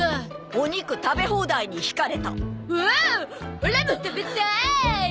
オラも食べたい！